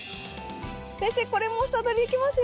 先生これも房どりできますよ。